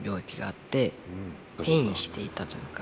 転移していたというか。